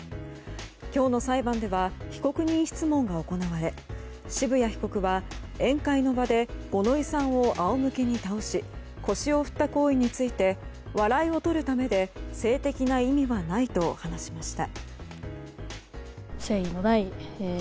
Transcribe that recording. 今日の裁判では被告人質問が行われ渋谷被告は宴会の場で五ノ井さんを仰向けに倒し腰を振った行為について笑いをとるためで性的な意味はないと話しました。